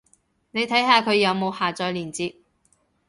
你睇下佢有冇下載連接